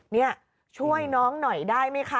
นี่ช่วยน้องหน่อยได้ไหมคะ